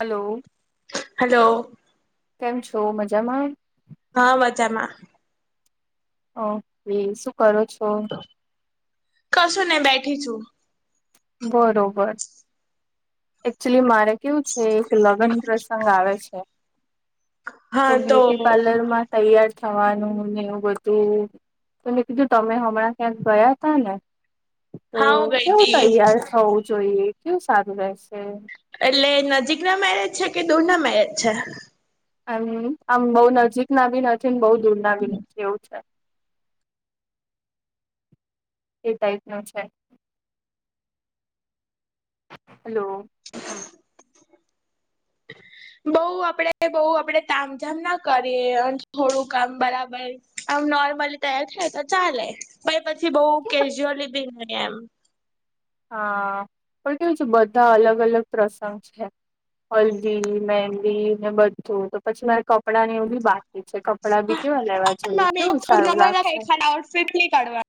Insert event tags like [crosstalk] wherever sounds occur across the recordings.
Hello hello કેમ છો મજામાં હા મજામાં ઓકે શું કરો છો કશું ને બેઠી છું બરોબર એક્ચુલી મારે કેવું છે એક લગ્ન પ્રસંગ આવે છે. તો બ્યુટી પાર્લરમાં તૈયાર થવાનું ને એવું બધું તો મે કીધું તમે હમણાં ક્યાંક ગયા હતા ને તો હા હું ગઈતી કેવું તૈયાર થવું જોઈએ કેવું સારું રહે એટલે નજીક ના મેરેજ છે કે દોરના મેરેજ છે એમ આમ બહુ નજીકના બી નથી બહ દૂરના બી નથી એવું છે એ ટાઈપનું છે હેલો હમ [inaudible] બઉ આપડે બઉ આપડે તામ જામ ના કરીએ અને થોડું કામ બરાબર આમ નોર્મલી તૈયાર થાય તો ચાલે પણ પછી બહુ કેજ્યુઅલી બી ની એમ હા પણ કેવું છે બધા અલગ અલગ પ્રસંગ છે હલ્દી મેહંદી ને બધું તો પછી મારે કપડાં ને એવી બા કપડા બી કેવા લેવા જોઈએ કેવું સારું લાગશે આઉટફિટ ની કાઢવાનું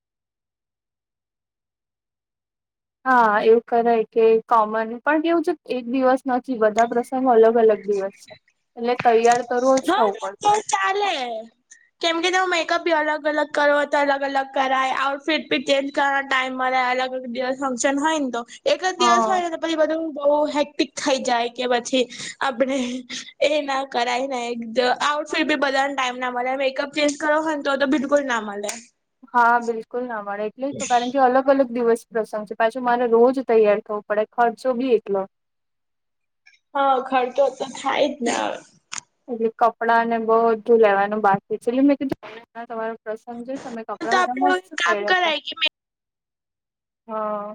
હા એવું કરે કે કોમન પણ કેવું છે એક દિવસ નથી બધા પ્રશ્ ગ અલગ અલગ દિવસ છે એટલે તૈયાર તો રોજ થવું પડશે હ ચાલે કેમ કે મેકઅપી અલગ અલગ કર હો તો અલગ અલગ કરાય આઉટફિટ ભી ચેન્જ કરના ટાઈમ મળે અલગ અલગ ફંક્શન હોયને તો એક જ દિવસ હા હોયને તો પછી બધું બહુ હેક્ટિક થઈ જાય કે પછી આપણે એના કરાઇ નાઈ એક આઉટફિટ બી બધલવા ટાઈમ ના મળે મેકઅપ ચેન્જ કરો હતો તો બિલકુલના મળે હા બિલકુલ ના મળે એટલે તો કારણ કે અલગ અલગ દિવસ પ્રસંગ છે પાછું મારે રોજ તૈયાર થવું પડે ખર્ચો બી એટલો હા ખર્ચો તો થાય જ ને હવે કપડાંને બધું લેવાનું બાકી છે એટલે મેં કીધું તમારું સંજીવ તમે કપડા તો બધા આપડે મસ્ત કામ પહેર્યા હતા કરાય કે હા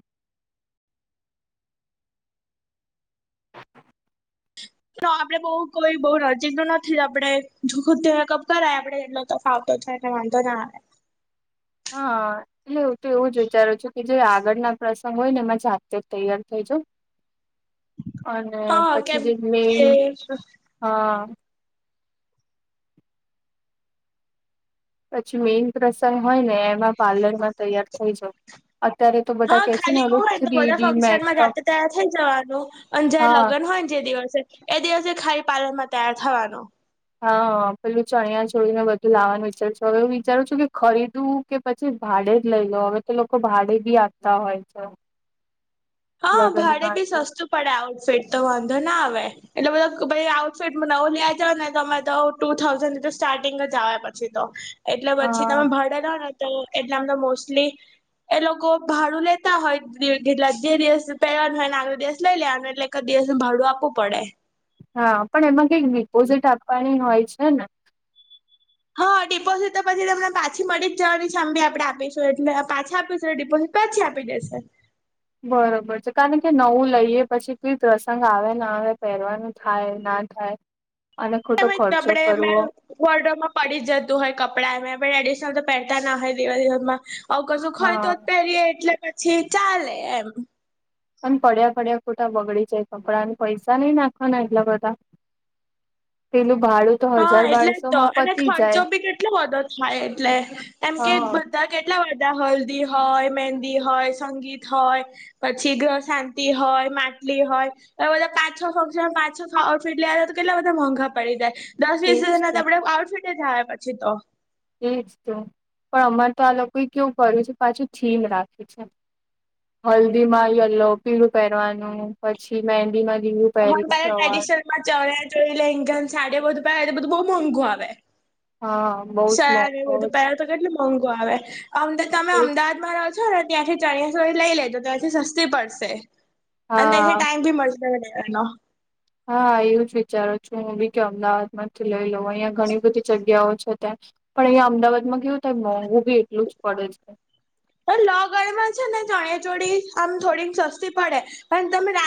ના આપડે બઉ કોઈ બઉ નજીક તો નથી આપડે જુહુકપ કરાયા આપડે એટલો તફાવ તેને વાંધો ના આવે [inaudible] હા એટલે હું તો એવું જ વિચારું છું કે જે આગળના પ્રસંગ હોય ને એમાં જાતે જ તૈયાર થઈ અને હા પછી કેમ જે મે કે હા પછી મેઇન પ્રસંગ હોય ને એમાં પાર્લર માં તૈયાર થઈ જાય હા ખાલી એવું હોય તો બધા ડી ફંક્શનમાં મેકઅપ જાતે તૈયાર થઈ જવાનું અને જયારે હા લગ્ન હ જે દિવસે એ દિવસે ખાલી પાર્લરમાં તૈયાર થવાનો હા પેલું ચણિયા છોડીને બધું લાવવાનું વિચારશ હવે હું વિચારું છું કે ખરીદવું કે પછી ભાડે જ લઈ લો હવે તો લોકો ભાડે બી આપતા હોય છે [inaudible] હા લગ્ન ભાડે ભી માટે સસ્તું પડે આઉટફેટ તો વાંધો ના આવે એટલે બધા આઉટફિટ નવું લ્યા જાવ ને તમે તો ટુ થાઉઝન્ડ તો સ્ટાર્ટિંગ જ આવે પછી તો એટલે પછી હા તમે ભડેલા તો એટલામાં તો મોસ્ટલી એ લોકો ભાડું લેતા હોય જે દિવસ પહેરવાનું હોય ને આગો દિવસ લઈ લેવાનું એટલે એક દિવસ નું ભાડું આપવું પડે હા પણ એમાં કઈક ડિપોઝિટ આપવાની હોય છે ને હા ડિપોઝીટ તો પછી તમને પાછી મળી જવાની આમ બી આપણે આપીશું એટલે પાછા આપીશું ડિપોઝિટ પછી આપી દેશે બરોબર છે કારણ કે નવું લઈએ પછી કઈ પ્રસંગ આવે ના આવે પહેરવાનું થાય ના થાય અને ખોટો તમે ખર્ચો કપડે કરવો વર્ડોમાં પડી જતું હોય કપડાં એમ એડિશનલ તો પહેરતા ના હોય દેવા દેમાં આવ કશુંક હોય તો હા જ પહેરીએ એટલે પછી ચાલે એમ. પણ પડ્યા પડ્યા ખોટા બગડી જાય કપડાને પૈસા નઈ નાખવાના એટલા બધા તેનું હા એટલે જ તો અને ખર્ચો જાય બી કેટલો બધો થાય એટલે એમ કે હા બધા કેટલા હલ્દી હોય, મેંદી હોય, સંગીત હોય પછી ગ્રહ શાંતિ હોય હોય બધા પાંચ છો ફંક્શન પાંચ છો ફ હો તો કેટલા બધા મોંઘા પડી જાય. દસ વીસ એજ હજાર ના તો આપણે આઉટફિટ જ આવ પછી તો. એજ તો પણ અમારે તો આ લોકોએ કેવું કર્યું છે પાછું થીમ રાખે છે. હલ્દીમાં યલો પીલું પહેરવાનું પછી મેંદી માં લીલું હમ્મ પહેરીને પ સવાર ટ્રેડિશનલ માં ચણિયા ચોળી લેંઘાન સાડીઓ બધું પેરે બધું બહુ મોંઘું આવે. હા બહુ જ શેર ને મોકો બધું પહેલા તો કેટલું મોંઘું આવેમ તમે એજ અમદાવાદમાં રહો છોને ત્યાંથી ચણિયા ચોળી લઈ લેજો ત્યાંથી સસ્તી પડશે અને હા ત્યાંથી ટાઈમ ભી મળ એ હા એવું જ વિચારો છું હું બી કે અમદાવાદ માંથી લઈ લઉ. અહિયાં ઘણી બધી જગ્યાઓ છે. પણ અહિયા અમદાવાદમાં કેવું થાય મોંઘું બી એટલું જ પડે છે. આગળમાં છે, ને ચણિયા ચોળી આમ થોડીક સસ્તી પડે પણ તમે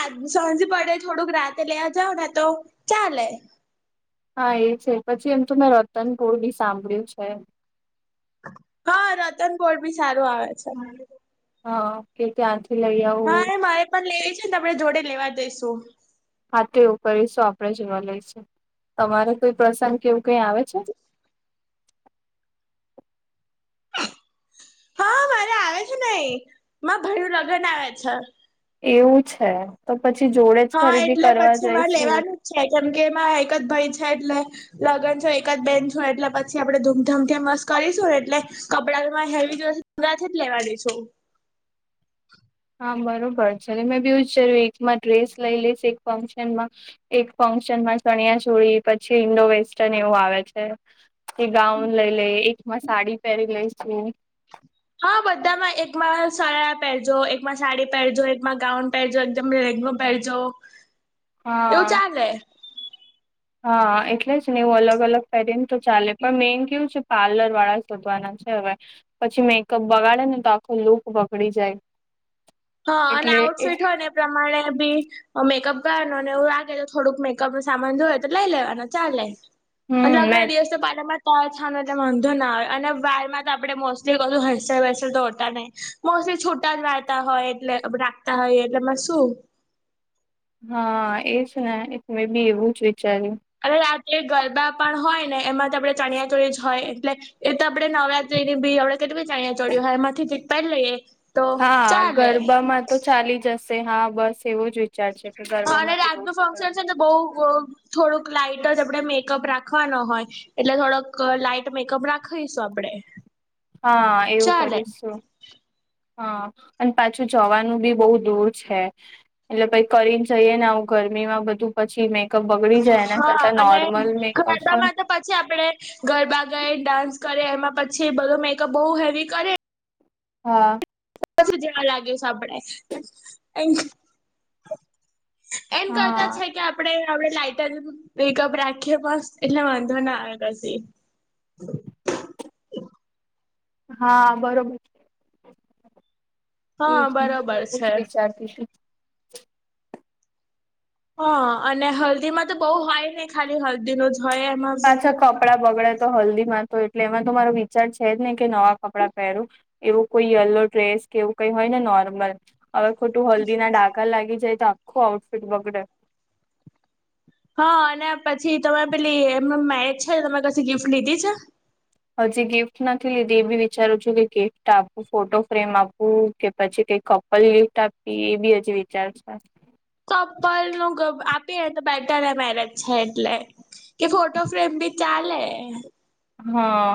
સજ પડે થોડું રાતે લે જાવને તો ચાલે હા એ છે પછી એમ તો મેં રતનપુર બી સાંભળ્યું છે. હા રતનપોળ બી સારું આવે છે. હા ઓકે ત્યાં હા એ મારે પણ લેવી છે ને આપણે જોડે લેવા જઈશું. હા તો એવું કરીશું આપણેે જોવા લઈશું. તમારે કોઈ પ્રસંગ કેવું કઈ આવે છે? હા મારે આવે છે ને માં ભઈ નું લગન આવે છે. એવું છે તો પછી જોડે જ હા ખરીદી એટલે કરવા પછી મા જઈશું લેવાનું જ છે કેમ કે મા એકદ ભાઈ હા એટલે લગન છો એક જ બેન છો એટલે પછી આપડે ધૂમધમથી મસ્ત કરીશું એટલે કપડા [unintelligible] લેવાની છું. હા, બરોબર છે મેં બી એવું જ એકમાં ડ્રેસ લઈ લઈશ એક ફંક્શનમાં એક ફંક્શન માં ચણિયા ચોળી પછી ઈન્ડો વેસ્ટર્ન એવું આવે છે, કે ગાઉન લઈ લે એક મસ્ત સાડી પહેરી લઈશું. હા, બધામાં એકમાં સરારા પહેરજો, એકમાં સાડી પહેરજો, એકમાં ગાઉન પહેરજો, એકદમ પહેરજો. એવું હા. ચાલે. હા એટલે જ ને એવું અલગ અલગ પેરેન તો ચાલે પણ મેઈન કેવું છે પાર્લર વાળા શોધવાના. હવે પછી મેકઅપ બગાડે ને તો આખો લુક બગડી જાય. હા અને આઉટફિટ હોયને એ પ્રમાણે બી મેકઅપ કરવાનું ને એવું લાગે છે થોડુંક મેક નું સામાન જોવે તો લઈ લેવાનું ચાલે અને હમ લગ્ન મેં ના દિવસ તો પાલામાં ત છ વાંધો ના આવે અને વાળ માં તો આપડે મોસ્ટલી બધું હેરસ્ટાઈલ વેરસ્ટાઇલ તો હોતા નહી પ છોટા જ વાળતા હોય એટલે રાખતા હોય એટલેમાં શું હા એજ ને એક મેં બી એવું જ વિચાર્યું. અને રાત્રે ગરબા પણ હોય ને એમાં તો આપણે ચણિયાચોળી જ હોય એટલે એ તો આપે નવરાત્રી ની બી આપણે કેટલી બધી ચાણયા ચોળી હોય એમાંથી એક પેરી લઈએ. તો હા ચાલે ગરબામાં તો ચાલી જશે હા બસ એવું જ વિચારશે. કે અને ગરબામાં તો રાત નું ફંક્શન છે ને બઉ બઉ થોડુંક લાઈટ જ આપણે મેકઅપ રાખવાનો હોય એટલે થોડોક લાઈટ મેકઅપ રાખીશું આપડે. હા એવું ચાલે કરીશું. હા અને પાછું જવાનું બી બહુ દૂર છે એટલે પઈ કરીને જઈએ ને આવું ગરમી એમાં બધું પછી મેં હા અને મેકઅપ હોય. ગરબામાં તો પછી આપડે ગરબા ગઈ ડાન્સ કરીએ એમાં પછી છે બધો મેકઅપ બહુ હેવી કરે હા. પછી જવા લાગ્યો સાંભળાય એમ કરતા હા છે કે આપડે આપડે લાઈઇટર બેકઅપ રાખીએ પણ એટલે વાંધો ના આવે પછી. હ હા બરોબર. એજ હા [inaudible] બરોબર એવું જ છે વિચારતી હા અને હલ્દી માં તો બહુ હોય નઈ ખાલી હલ્દી ન જ હોય એમાં પાછા બી કપડા બગડે તો હલ્દી માં તો એટલે એમાં તો મારો વિચાર છે જ ને કે નવા કપડાં પહેરવ એવું કોઈ યલો ડ્રેસ કેવું કઈ હોય ને નો વારમવાર હવે ખોટું હલ્દી ના ડાકા લાગી જાય તો આખું આઉટફિટ બગડે. હા અને પછી તમે પેલી એમનું મેરેજ છે તમે કછી ગિફ્ટ લીધી છે? હજી ગિફ્ટ નથી લીધી એ બી વિચારું છું કે ગિફ્ટ આપવું ફોટો ફ્રેમ આપવું કે પછી કઈ કપલ ગિફ્ટ આપી એ બી હજી વિચાર છે. કપલ નું તો બેટર એ મેરેજ છે એટલે કે ફોટો ફ્રેમ બી ચાલે. હા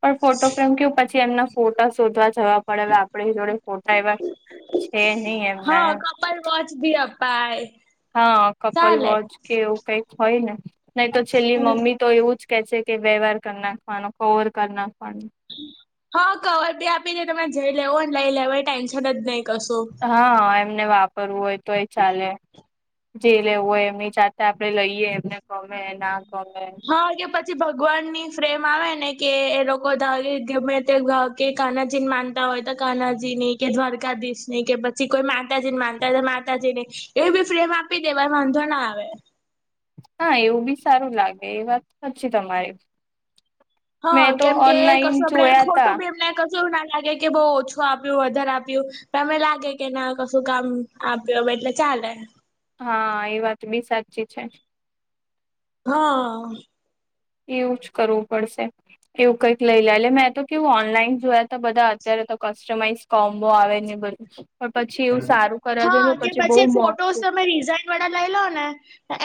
પણ ફોટો ફ્રેમ કવ પછી એમના ફોટા શોધવા જવા પડે હવે આપડી જોડે ફોટા એવા છે, નહી એમના એમ પાય હા કપલ વોચ કે એવું કઈક હોય ને નહી તો છેલ્લી મમ્મી તો એવું જ કે છે કે વ્યવહાર કર નાખવાનો, કવર કરી નાખવાનો. હા કવર ભી આપી દે તમે જઈ લેવો ને લઈ લેવાય ટેન્શન જ નહી. કશું હા એમને વાપરવું હોય તો એ ચાલે. જે લેવું હોય એમની જાતે આપડે લઈએ એમને ગમે એ ના ગમે હ કે પછ ભગવાન ની ફ્રેમ આવે ને કે એ લોકો [unintelligible] ગમે તે કે કાનાચીન માનતા હોય તો કાનાજી ની કે દ્વારકાધીશ ની કે પછી કોઈ માતાજી ને માનતા હોય તો માતાજી ને એવી ફ્રેમ આપી દેવા વાંધો ના આવે. હા એવું બી સારું લાગે એ વાત [inaudible] છી તમારી. હા મેં તો કેમ કે ઓનલાઈન કશું આપડેને જોયા તા ખોટું બી એમને કુ એવું ના લાગે કે બઉ ઓછું આપ્યું વધારે આપ્યું પણ અમે લાગે કે ના કશું કામ આપ્યું એટલે ચાલે. હા એ વાત બી સાચી છે. હા. એવું જ કરવું પડશે એવું કંઈક લઈ લ લે મેં તો કેવું ઓનલાઈન જોયા ત બધા અત્યારે કસ્ટમાઇઝ કોમ્બો આવેને પણ પછી એવું સારું કરવા જ હા તો કે બહુ પછી ફોટોસ મોંઘું તમે રિઝાઈન વાળા લઈ લો ને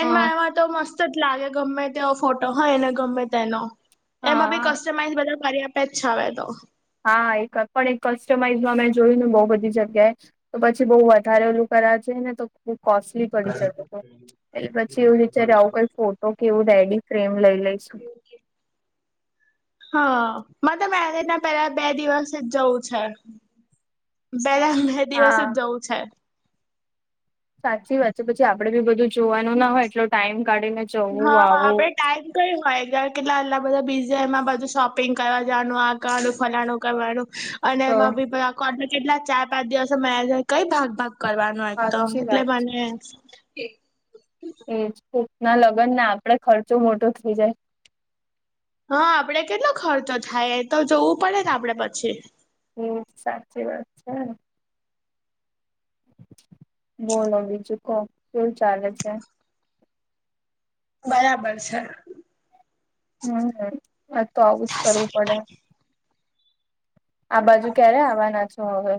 હા એમાં તો મસ્ત જ લાગે ગમે તેવો ફોટો હોય એને ગમે તેનો એમાં ભી હા કસ્ટમાઈઝ બધા કરી આપેજ છે હવે તો. હા એક પણ એક કસ્ટમાઈઝમાં મેં જોયુંને બઉ બધી બી જગ્યાએ તો પછી બહુ વધારે ઓલું કર્યા છે ને તો કોસ્ટલી પડી જતો તો એટલે પછી એવું વિચારે આવું કઈ ફોટો કે એવું રેડી ફ્રેમ લઈ લઈ [inaudible] હા. મ તો મેરેજના પેલા બે દિવસ જ જવું છે. પેલા બે દિવસ જ હા જવું છે. સાચી વાત છે પછી આપડે બી બધું જોવાનું ના હોય એટલો ટાઈમ કાઢીને જવું હા આવું આપડે ટાઈમ કયું હોય? બ કેટલા આલા બધા બીઝમાં બધું શોપિંગ કરવા જાવાનું આકરનું ફલાણું કરવાનું અને તો એમાં બી કો કેટલા ચાર પાંચ દિવસો મ [unintelligible] કઈ ભાગ ભાગ કરવાનો એકય તો સાચી વાત એટલે મને એજ કોક ના લગન ને આપડે ખર્ચો મોટો થઇ જાય હા આપડે કેટલો ખર્ચો થાય એ તો જોવું પડે આપડે પછી. હમ સાચી વાત છે. બોલો બીજું કોહ શું ચાલે છે? બરાબર છે. હમ આ તો આવું જ કરવું પડે. આ બાજુ ક્યારે આવવાના છો હવે?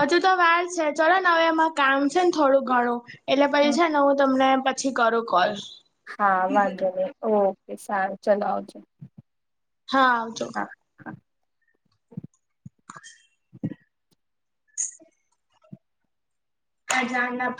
હજુ તો વાર છે ચલો ને હવે એમાં કામ છે ને થોડું ઘણું એટલે પછી છે ને હું તમને પછી કરો કોલ. હા વાંધો નઈ ઓકે સારું ચાલ આવજો. હા આવજો. હા હા. [inaudible] હા જાણના